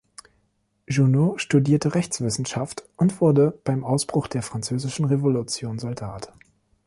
Junot studierte Rechtswissenschaft und wurde beim Ausbruch der Französischen Revolution Soldat.